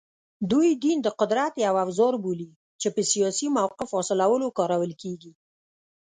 دوی دین د قدرت یو اوزار بولي چې په سیاسي موقف حاصلولو کارول کېږي